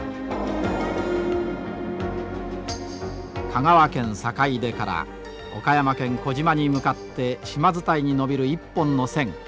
香川県坂出から岡山県児島に向かって島伝いに延びる一本の線。